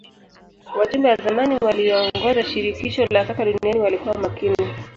wajumbe wa zamani waliyoongoza shirikisho la soka duniani walikuwa makini